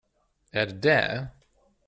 Är det där?